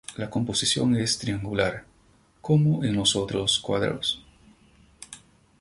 La composición es triangular, como en los otros cuadros.